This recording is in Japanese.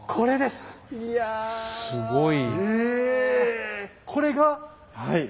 すごい。